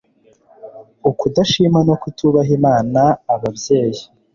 ukudashima no kutubaha Imana Ababyeyi